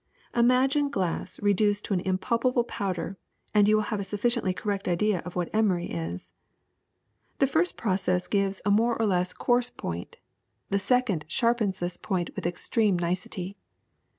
Imagine glass reduced to an impalpable powder and you will have a sufficiently correct idea of what emery is. The first process gives a more 16 THE SECRET OF EVERYDAY THINGS or less coarse point ; the second sharpens this point with extreme nicety.